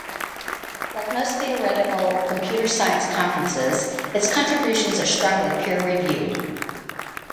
Like most theoretical computer science conferences its contributions are strongly peer-reviewed.